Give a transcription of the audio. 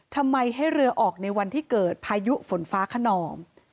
ทำไมให้เรือออกในวันที่เกิดพายุฝนฟ้าขนอง